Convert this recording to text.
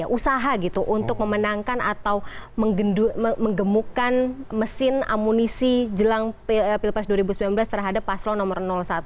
usaha gitu untuk memenangkan atau menggemukkan mesin amunisi jelang pilpres dua ribu sembilan belas terhadap paslon nomor satu